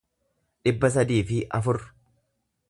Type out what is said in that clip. dhibba sadii fi afur